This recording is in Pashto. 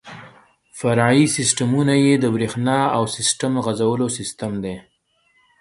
فرعي سیسټمونه یې د بریښنا او سیسټم غځولو سیستم دی.